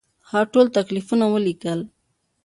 هغه ټول تکلیفونه ولیکل.